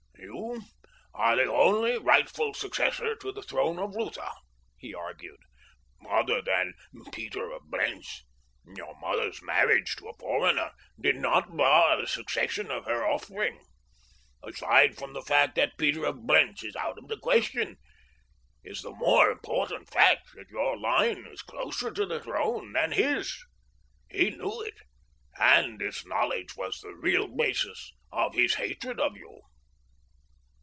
"You are the only rightful successor to the throne of Lutha," he argued, "other than Peter of Blentz. Your mother's marriage to a foreigner did not bar the succession of her offspring. Aside from the fact that Peter of Blentz is out of the question, is the more important fact that your line is closer to the throne than his. He knew it, and this knowledge was the real basis of his hatred of you."